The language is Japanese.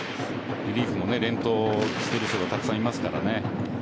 リリーフも連投してる人がたくさんいますからね。